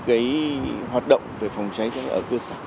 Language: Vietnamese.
cái hoạt động về phòng cháy chữa cháy ở cơ sở